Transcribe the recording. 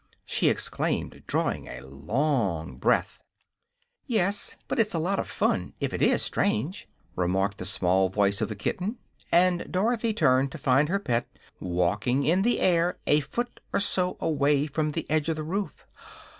she exclaimed, drawing a long breath. "Yes; but it's lots of fun, if it is strange," remarked the small voice of the kitten, and Dorothy turned to find her pet walking in the air a foot or so away from the edge of the roof.